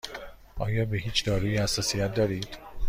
آیا به هیچ دارویی حساسیت دارید؟